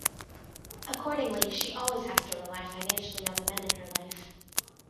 Accordingly, she always has to rely financially on the men in her life.